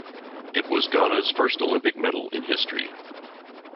It was Ghana's first Olympic medal in history.